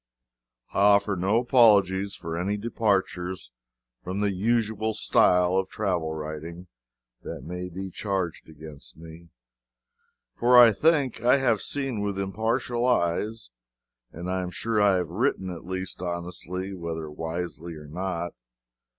I offer no apologies for any departures from the usual style of travel writing that may be charged against me for I think I have seen with impartial eyes, and I am sure I have written at least honestly, whether wisely or not.